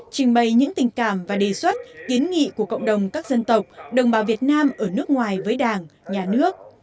trình bày những tình cảm và đề xuất kiến nghị của cộng đồng các dân tộc đồng bào việt nam ở nước ngoài với đảng nhà nước